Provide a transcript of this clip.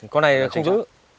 con này không dữ